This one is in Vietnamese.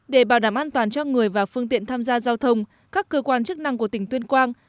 để bảo đảm an toàn cho người và phương tiện tham gia giao thông các cơ quan chức năng của tỉnh tuyên quang